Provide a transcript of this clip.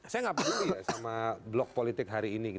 saya nggak peduli gak sama blok politik hari ini